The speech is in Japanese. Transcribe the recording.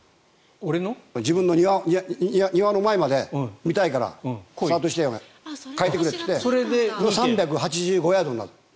自分の庭の前まで、見たいからスタート地点を変えてくれと言って３８５ヤードになった。